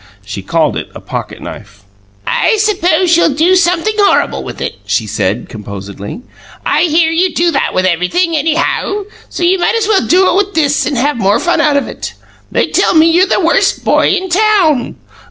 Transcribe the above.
She called it a pocket knife. "I suppose you'll do something horrible with it," she said, composedly. "I hear you do that with everything, anyhow, so you might as well do it with this, and have more fun out of it. They tell me you're the Worst Boy in Town."